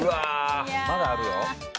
まだあるよ。